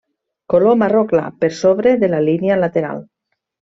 Color marró clar per sobre de la línia lateral.